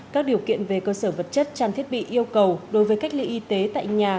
các điều kiện về cơ sở vật chất trang thiết bị yêu cầu đối với cách ly y tế tại nhà